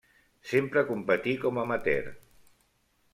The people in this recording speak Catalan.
Sempre competí com amateur.